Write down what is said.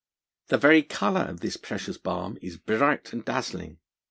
The very colour of this precious balm is bright and dazzling.